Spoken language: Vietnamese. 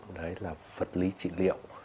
đấy là vật lý trị liệu